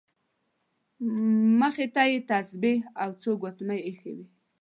مخې ته یې تسبیح او څو ګوتمۍ ایښې وې.